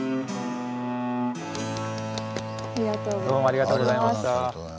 ありがとうございます。